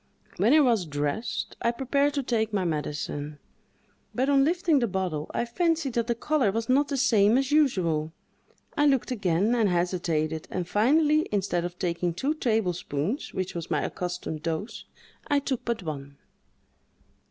When I was dressed, I prepared to take my medicine, but on lifting the bottle, I fancied that the color was not the same as usual. I looked again, and hesitated, and finally, instead of taking two tablespoonfuls, which was my accustomed dose, I took but one.